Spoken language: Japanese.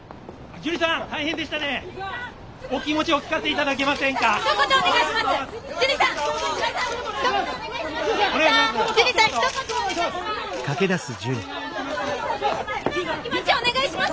今のお気持ちお願いします！